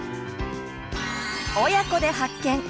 「親子で発見！